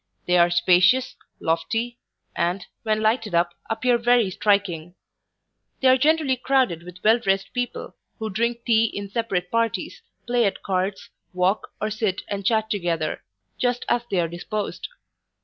They are spacious, lofty, and, when lighted up, appear very striking. They are generally crowded with well dressed people, who drink tea in separate parties, play at cards, walk, or sit and chat together, just as they are disposed.